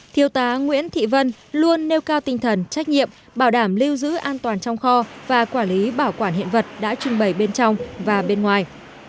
thiếu tá nguyễn thị vân luôn nêu cao tinh thần trách nhiệm bảo đảm lưu giữ an toàn trong kho và quản lý bảo quản hiện vật đã trưng bày bên trong và bên ngoài